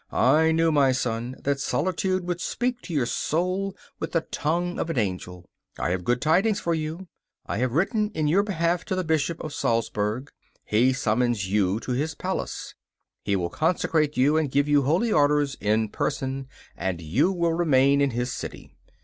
'I knew, my son, that solitude would speak to your soul with the tongue of an angel. I have good tidings for you. I have written in your behalf to the Bishop of Salzburg. He summons you to his palace. He will consecrate you and give you holy orders in person, and you will remain in his city.